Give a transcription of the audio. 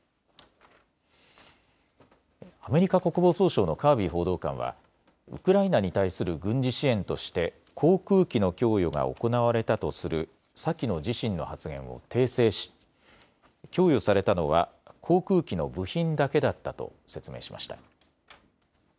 アメリカ国防総省のカービー報道官はウクライナに対する軍事支援として航空機の供与が行われたとする先の自身の発言を訂正し供与されたのは航空機の部品だけだったと説明しました。